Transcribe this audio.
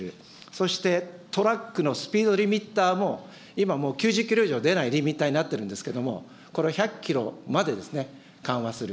そしてトラックのスピードリミッターも、今もう９０キロ以上出ないリミッターになっているんですけれども、これを１００キロまで緩和する。